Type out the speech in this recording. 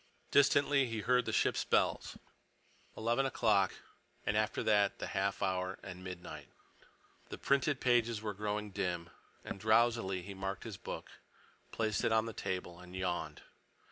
Distantly he heard the ship's bells, eleven o'clock, and after that the half hour and midnight. The printed pages were growing dim, and drowsily he marked his book, placed it on the table, and yawned.